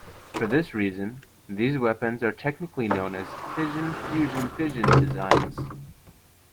For this reason, these weapons are technically known as fission-fusion-fission designs.